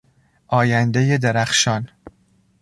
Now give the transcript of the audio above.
آیندهی درخشان